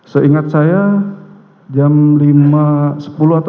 kemudian jam berapa saudara meluncur ke jakarta